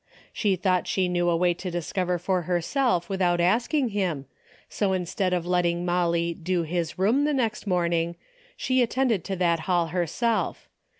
She thought she knew a way to discover for herself with out asking him, so instead of letting Molly " do his room '' the next morning, she attended to that hall herself.